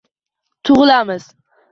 Tug’ilamiz